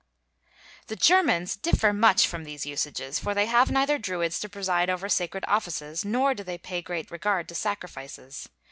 The Germans differ much from these usages, for they have neither Druids to preside over sacred offices nor do they pay great regard to sacrifices.